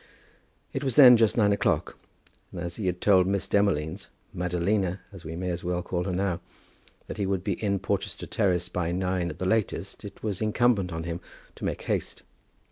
It was then just nine o'clock, and as he had told Miss Demolines, Madalina we may as well call her now, that he would be in Porchester Terrace by nine at the latest, it was incumbent on him to make haste.